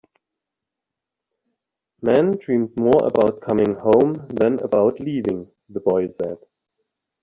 "Men dream more about coming home than about leaving," the boy said.